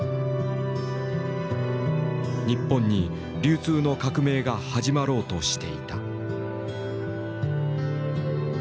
日本に流通の革命が始まろうとしていた。